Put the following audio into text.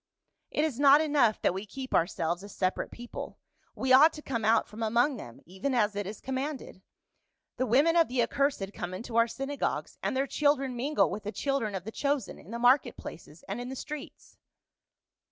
"It is not enough that we keep ourselves a separate people ; we ought to come out from among them, even as it is commanded. The women of the 122 PA UL. accursed come into our synagogues, and their children mingle with the children of the chosen in the market places and in the streets."